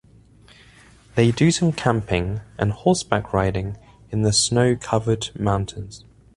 They do some camping and horseback riding in the snow covered mountains.